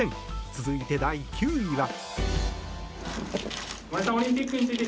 続いて、第９位は。